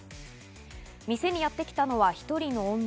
店にやってきたのは１人の女。